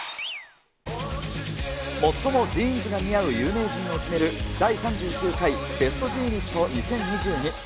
最もジーンズが似合う有名人を決める、第３９回ベストジーニスト２０２２。